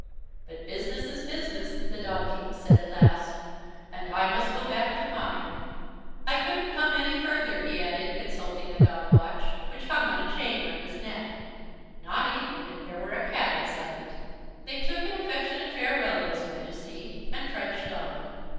"But business is business!" the Dog King said at last. "And I must go back to mine. I couldn't come any further," he added, consulting a dog watch, which hung on a chain round his neck, "not even if there were a Cat insight!" They took an affectionate farewell of His Majesty, and trudged on.